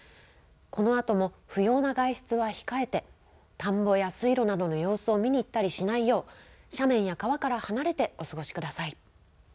このあとも不要な外出は控えて、田んぼや水路などの様子を見に行ったりしないよう、斜面や川から離れてお過ごしください。